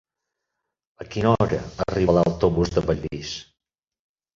A quina hora arriba l'autobús de Bellvís?